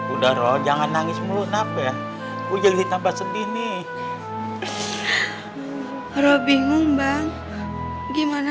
udah roh jangan nangis mulu nafiah ujeng ditambah sedih nih roh bingung bang gimana